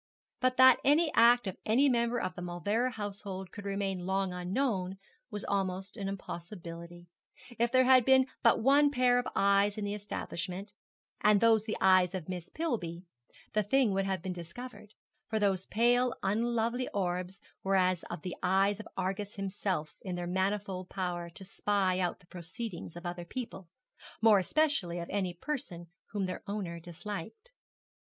But that any act of any member of the Mauleverer household could remain long unknown was almost an impossibility. If there had been but one pair of eyes in the establishment, and those the eyes of Miss Pillby, the thing would have been discovered; for those pale unlovely orbs were as the eyes of Argus himself in their manifold power to spy out the proceedings of other people more especially of any person whom their owner disliked.